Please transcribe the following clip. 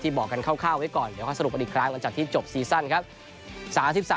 บอกกันคร่าวไว้ก่อนเดี๋ยวค่อยสรุปกันอีกครั้งหลังจากที่จบซีซั่นครับ